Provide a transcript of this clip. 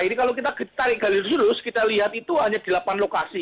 ini kalau kita tarik gali khusus kita lihat itu hanya delapan lokasi